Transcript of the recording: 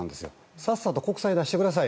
さっさと国債、出してください。